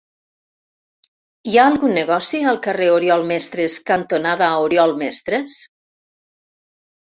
Hi ha algun negoci al carrer Oriol Mestres cantonada Oriol Mestres?